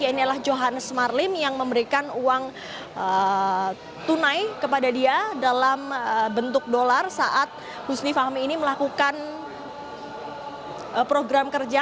yaitu johannes marlim yang memberikan uang tunai kepada dia dalam bentuk dolar saat husni fahmi ini melakukan program kerja